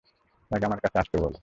তাকে আমার কাছে আসতে বল।